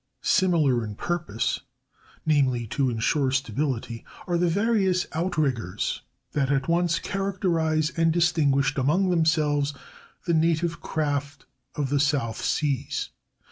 Similar in purpose—namely, to insure stability—are the various outriggers that at once characterize and distinguish among themselves the native craft of the South Seas.